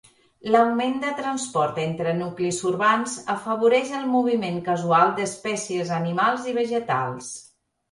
L'augment de transport entre nuclis urbans afavoreix el moviment casual d'espècies animals i vegetals.